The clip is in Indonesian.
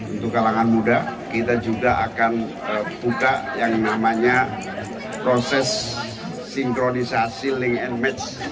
untuk kalangan muda kita juga akan buka yang namanya proses sinkronisasi link and match